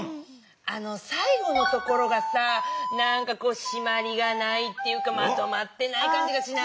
最後のところがしまりがないっていうかまとまってない感じがしない？